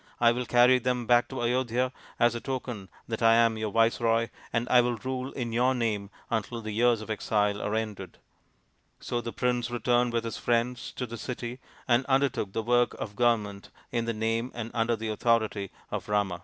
I will carry them back to Ayodhya as a token that I am your viceroy, and I will rule in your name until the years of exile are ended." So the prince returned with his friends to the city and undertook the work of government in the name and under the authority of Rama.